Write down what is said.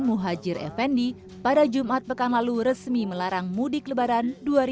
muhajir effendi pada jumat pekan lalu resmi melarang mudik lebaran dua ribu dua puluh